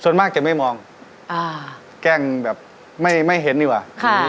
ส่วนมากจะไม่มองแกล้งแบบไม่เห็นดีกว่า